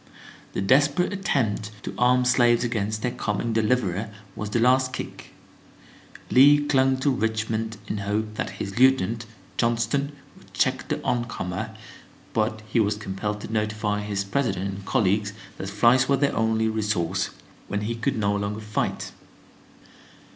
The desperate attempt to arm the slaves against their coming deliverer was the "last kick." Lee clung to Richmond in hope that his lieutenant, Johnston, would check the oncomer, but he was compelled to notify his President and colleagues that flight was their only resource when he could no longer fight.